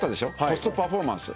コストパフォーマンス。